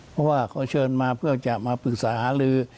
เพราะว่าเขาเชิญมาเพื่อจะมาปรึกษาหาลือ